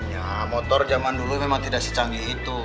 ya motor zaman dulu memang tidak secanggih itu